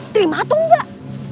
terima atau enggak